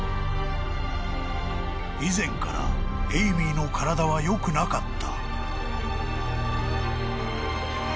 ［以前からエイミーの体はよくなかった］